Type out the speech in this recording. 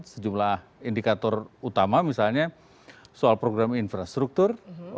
sejumlah indikator utama misalnya soal program infrastruktur